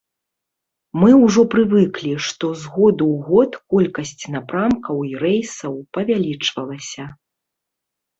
Мы ўжо прывыклі, што з году ў год колькасць напрамкаў і рэйсаў павялічвалася.